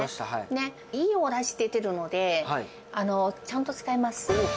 いいおだし出てるので、ちゃんと使います。